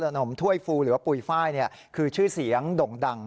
นมถ้วยฟูหรือว่าปุ๋ยไฟล์คือชื่อเสียงด่งดัง